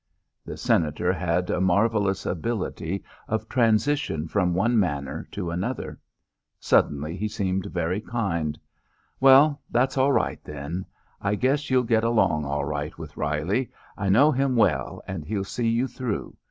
The Senator had a marvellous ability of transition from one manner to another. Suddenly he seemed very kind. "Well, that's all right, then. I guess you'll get along all right with Reilly. I know him well, and he'll see you through.